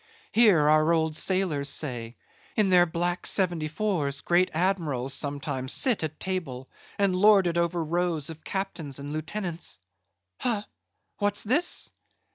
Here, our old sailors say, in their black seventy fours great admirals sometimes sit at table, and lord it over rows of captains and lieutenants. Ha! what's this?